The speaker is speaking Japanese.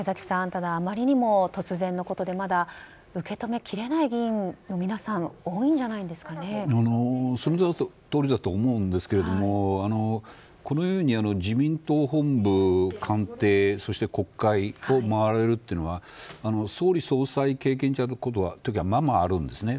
ただ、あまりにも突然のことでまだ受け止めきれない議員の皆さんそのとおりだと思うんですがこのように自民党本部、官邸そして国会を回られるというのは総理総裁を経験した方ではまあまあるんですね